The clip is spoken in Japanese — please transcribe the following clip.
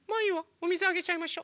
おみずあげちゃいましょ。